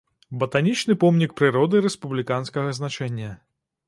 Батанічны помнік прыроды рэспубліканскага значэння.